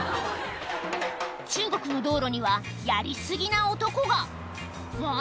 中国の道路にはやり過ぎな男がうん？